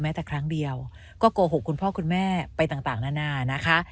แต่ครั้งเดียวก็โกหกคุณพ่อคุณแม่ไปต่างนานานะคะ